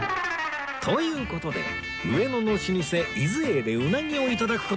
という事で上野の老舗伊豆榮でうなぎを頂く事に